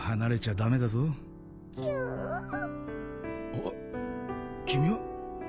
あっ君は。